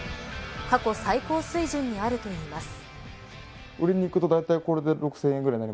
過去最高水準にあるといいます。